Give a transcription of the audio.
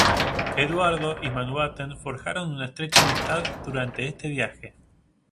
Eduardo y Mountbatten forjaron una estrecha amistad durante este viaje.